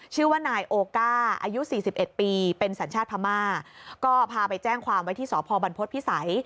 ชื่อว่านายโอก้าอายุ๔๑ปีเป็นสัญชาติพม่าก็พาไปแจ้งความไว้ที่สพพิษัย